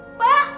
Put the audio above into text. pak banyak banget